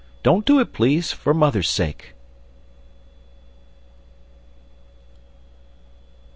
Don't do it, please, for Mother's sake!